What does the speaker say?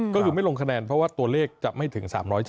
ก็คือไม่ลงคะแนนเพราะว่าตัวเลขจะไม่ถึง๓๗